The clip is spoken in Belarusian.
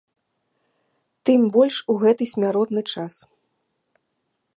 Тым больш у гэты смяротны час.